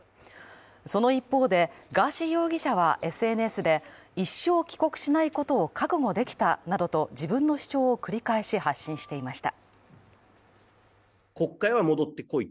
その一方で、ガーシー容疑者はＳＮＳで一生帰国しないことを覚悟できたなどと自分の主張を繰り返し発信していました。